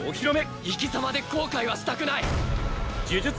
生き様で後悔はしたくない！